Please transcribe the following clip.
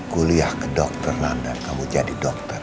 kuliah ke dokter nanda kamu jadi dokter